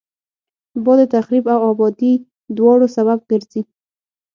باد د تخریب او آبادي دواړو سبب ګرځي